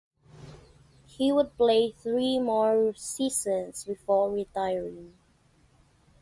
He would play three more seasons before retiring.